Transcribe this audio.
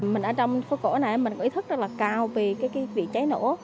mình ở trong phố cổ này mình có ý thức rất là cao về cái việc cháy nổ